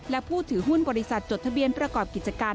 และผู้ถือหุ้นบริษัทจดทะเบียนประกอบกิจการ